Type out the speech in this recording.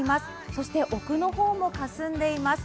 そして奥の方もかすんでいます。